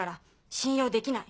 信用できない。